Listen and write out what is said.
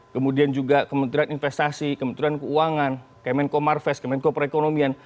kemudian juga kementerian investasi kementerian keuangan kemenko marves kemenko perekonomian